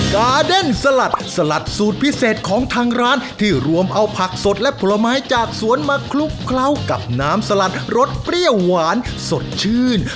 กาเดนสลัดสลัดสูตรพิเศษของทางร้านที่รวมเอาผักสดและผลไม้จากสวนมาคลุกเคล้ากับน้ำสลัดรสเปรี้ยวหวานสดชื่น